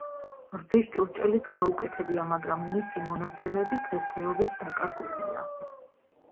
რძის ჭურჭელიც გაუკეთებია, მაგრამ მისი მონაცემები დღესდღეობით დაკარგულია.